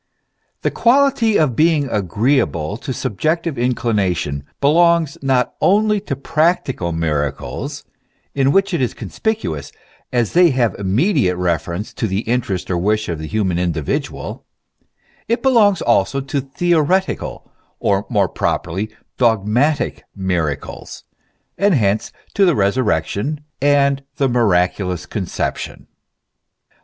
THE quality of being agreeable to subjective inclination belongs not only to practical miracles, in which it is conspicuous, as they have immediate reference to the interest or wish of the human individual ; it belongs also to theoretical, or more pro perly dogmatic miracles, and hence to the Kesurrection and the Miraculous Conception.